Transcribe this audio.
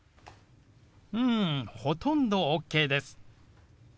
うんほとんどＯＫです。